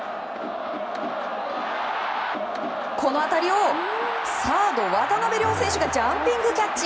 この当たりをサード、渡邉諒選手がジャンピングキャッチ。